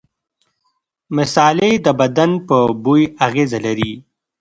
مصالحې د بدن په بوی اغېزه لري.